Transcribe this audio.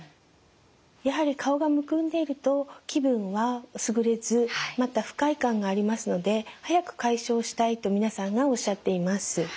やはり顔がむくんでいると気分はすぐれずまた不快感がありますので早く解消したいと皆さんがおっしゃっています。